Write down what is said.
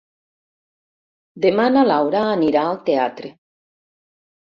Demà na Laura anirà al teatre.